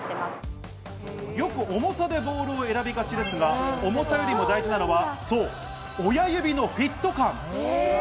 よく重さでボールを選びがちですが、重さよりも大事なのは、親指のフィット感。